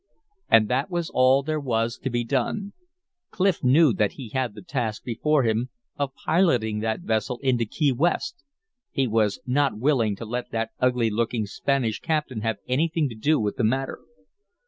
And that was all there was to be done. Clif knew that he had the task before him of piloting that vessel into Key West; he was not willing to let that ugly looking Spanish captain have anything to do with the matter.